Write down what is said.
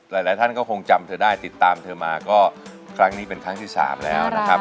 หลายท่านก็คงจำเธอได้ติดตามเธอมาก็ครั้งนี้เป็นครั้งที่๓แล้วนะครับ